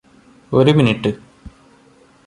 ഒരു മിനുട്ട്